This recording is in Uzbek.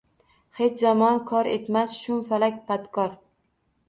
Hech zamon kor etmas, shum falak badkor.